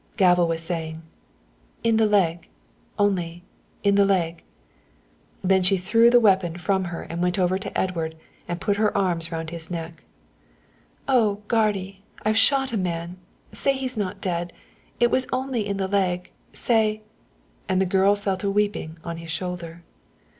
Galva was saying, "In the leg only in the leg " Then she threw the weapon from her and went over to Edward, and put her arms round his neck. "Oh, guardy I've shot a man! Say he's not dead it was only in the leg say " And the girl fell to weeping on his shoulder.